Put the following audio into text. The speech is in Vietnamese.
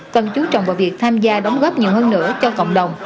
cần chú trọng vào việc tham gia đóng góp nhiều hơn nữa cho cộng đồng